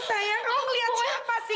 sayang kamu lihat siapa sih